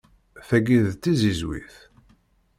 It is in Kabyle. Tagi d tizizwit.